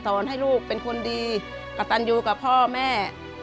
ให้ลูกเป็นคนดีกระตันอยู่กับพ่อแม่